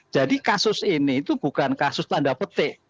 jadi kasus ini itu bukan kasus tanda petik